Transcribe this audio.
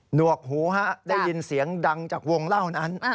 หวกหูฮะได้ยินเสียงดังจากวงเล่านั้น